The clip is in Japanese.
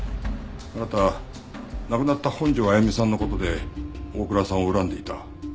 あなたは亡くなった本条あゆみさんの事で大倉さんを恨んでいた。